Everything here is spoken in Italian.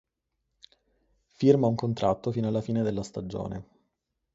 Firma un contratto fino alla fine della stagione.